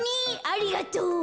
ありがとう。